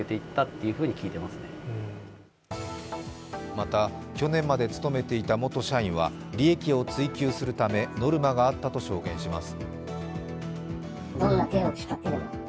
また、去年まで勤めていた元社員は、利益を追求するためノルマがあったと証言します。